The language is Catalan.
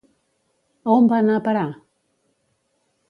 A on va anar a parar?